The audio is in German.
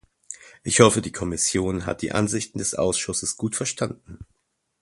Ich hoffe, die Kommission hat die Ansichten des Ausschusses gut verstanden.